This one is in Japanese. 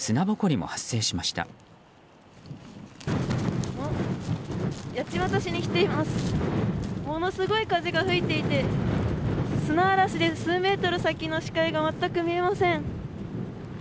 ものすごい風が吹いていて砂嵐で数メートル先の視界が全く見えません。